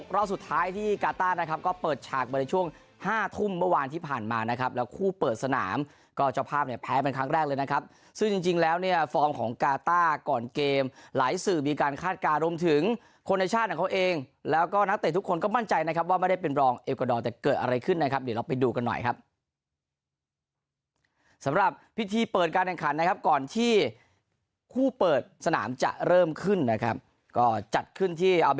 รอบสุดท้ายที่กาต้านะครับก็เปิดฉากมาในช่วง๕ทุ่มเมื่อวานที่ผ่านมานะครับแล้วคู่เปิดสนามก็เจ้าภาพเนี่ยแพ้เป็นครั้งแรกเลยนะครับซึ่งจริงแล้วเนี่ยฟอร์มของกาต้าก่อนเกมหลายสื่อมีการคาดการณ์รวมถึงคนในชาติของเขาเองแล้วก็นักเตะทุกคนก็มั่นใจนะครับว่าไม่ได้เป็นรองเอกวาดอร์แต่เกิดอะไรขึ้นนะครับเดี๋ยวเราไปดูกันหน่อยครับ